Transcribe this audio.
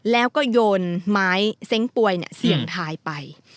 แล้วก็โยนไม้เซ้งป่วยเสี่ยงทายไป